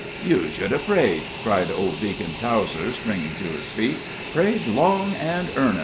"You should hev prayed," cried old Deacon Towser, springing to his feet; "prayed long an' earnest."